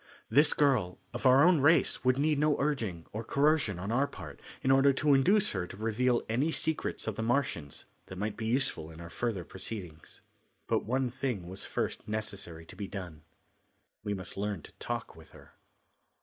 This girl of our own race would need no urging, or coercion, on our part in order to induce her to reveal any secrets of the Martians that might be useful in our further proceedings. But one thing was first necessary to be done. We must learn to talk with her.